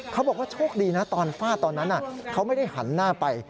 เขาบอกว่าโชคดีนะตอนฟาดตอนนั้นเขาไม่ได้หันหน้าไป